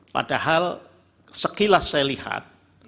padahal sekilas saya lihat